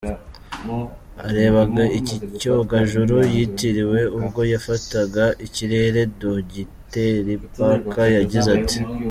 Arebaga iki cyogajuru yitiriwe ubwo cyafataga ikirere, Dogiteri Parker yagize ati:.